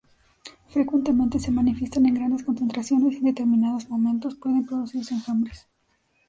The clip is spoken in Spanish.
Frecuentemente se manifiestan en grandes concentraciones y en determinados momentos pueden producirse enjambres.